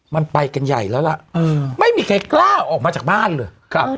มันไปกันใหญ่แล้วล่ะไม่มีใครกล้าออกมาจากบ้านเลยครับ